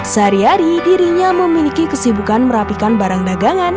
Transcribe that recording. sehari hari dirinya memiliki kesibukan merapikan barang dagangan